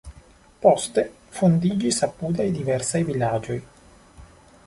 Poste fondiĝis apudaj diversaj vilaĝoj.